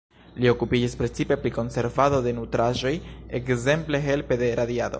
Li okupiĝis precipe pri konservado de nutraĵoj, ekzemple helpe de radiado.